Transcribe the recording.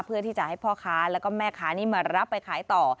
เพื่อที่จะให้พ่อค้าแล้วก็แม่ค้านี้มารับไปขายต่อ